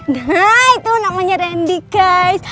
nah itu namanya randy guys